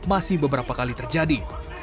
masih beberapa kali terjadi